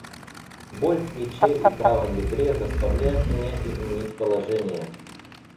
Боль в плече и правом бедре заставляет меня изменить положение.